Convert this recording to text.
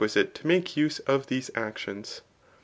S6T site to make uee of these actions.